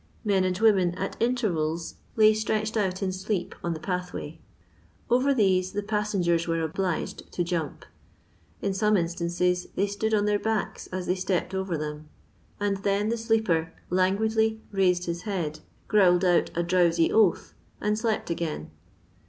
Men and women ai intervals Uiy stretched out in 90 LONDON LABOUR AND THE LONDON POOR. sleep on the pathway ; over theyc the pauengen were obliged to jump ; in some inftances they stood on their backs as they stepped orer them, and then the sleeper languidly raised his head, growled out a drowsy oath, and slept again.